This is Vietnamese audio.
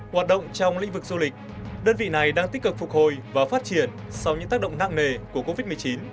hoạt động trong lĩnh vực du lịch đơn vị này đang tích cực phục hồi và phát triển sau những tác động nặng nề của covid một mươi chín